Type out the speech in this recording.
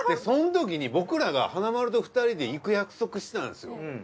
そのときに僕らが華丸と２人で行く約束してたんですよ。